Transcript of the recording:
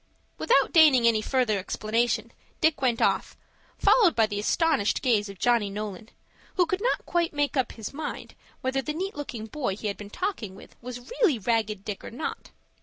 Without deigning any further explanation, Dick went off, followed by the astonished gaze of Johnny Nolan, who could not quite make up his mind whether the neat looking boy he had been talking with was really Ragged Dick or not.